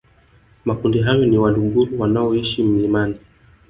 Makundi hayo ni Waluguru wanaoishi milimani